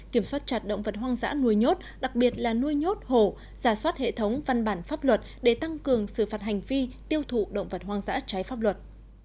kiểm soát chặt động vật hoang dã nuôi nhốt đặc biệt là nuôi nhốt hổ giả soát hệ thống văn bản pháp luật để tăng cường xử phạt hành vi tiêu thụ động vật hoang dã trái pháp luật